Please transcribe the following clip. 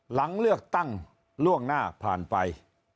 หลังเลือกตั้งล่วงหน้าผ่านไป